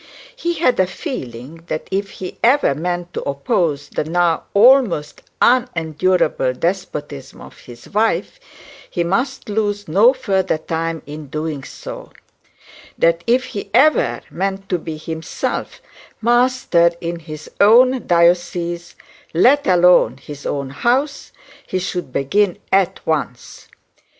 He had a feeling that if he ever meant to oppose the now almost unendurable despotism of his wife, he must lose no further time in doing so; that if he even meant to be himself master in his own diocese, let alone his own house, he should begin at once.